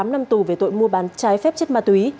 một mươi tám năm tù về tội mua bán trái phép chất ma túy